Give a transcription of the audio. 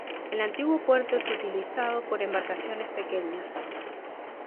El antiguo puerto es utilizado por embarcaciones pequeñas.